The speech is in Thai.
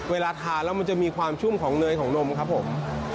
เวลาทานแล้วมันจะมีความชุ่มของเนยของนมครับผม